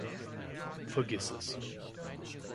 Vergiss es.